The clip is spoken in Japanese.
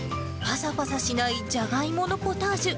ぱさぱさしないじゃがいものポタージュ。